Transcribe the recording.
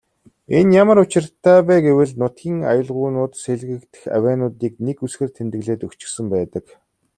Энэ ямар учиртай вэ гэвэл нутгийн аялгуунуудад сэлгэгдэх авиануудыг нэг үсгээр тэмдэглээд өгчихсөн байдаг.